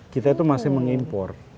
kita itu masih mengimpor bahan baku obat itu